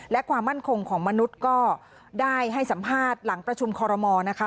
และความมั่นคงของมนุษย์ก็ได้ให้สัมภาษณ์หลังประชุมคอรมอลนะคะ